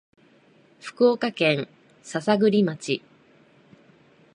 福岡県篠栗町